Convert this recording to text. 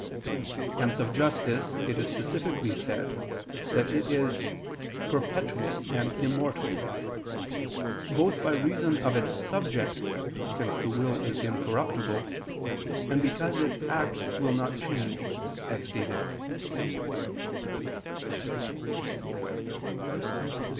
Hence of justice it is specially said that it is "perpetual and immortal"; both by reason of its subject, since the will is incorruptible; and because its act will not change, as stated.